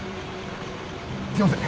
すいません。